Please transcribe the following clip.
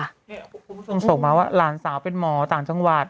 คุณผู้ชมส่งมาว่าหลานสาวเป็นหมอต่างจังหวัด